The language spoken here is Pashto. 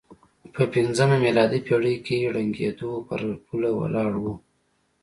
په پځمه میلادي پېړۍ کې ړنګېدو پر پوله ولاړ و.